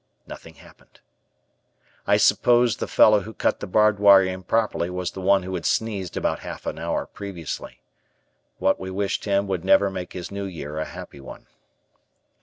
Nothing happened. I suppose the fellow who cut the barbed wire improperly was the one who had sneezed about half an hour previously. What we wished him would never make his new year a happy one.